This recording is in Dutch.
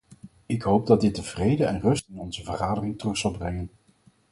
Ik hoop dat dit de vrede en rust in onze vergadering terug zal brengen.